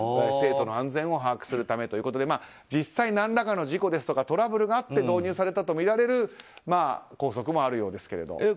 生徒の安全を把握するためということで実際、何らかの事故ですとかトラブルがあって導入されたとみられる校則もあるようですけども。